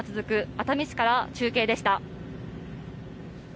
熱海市から中継でした。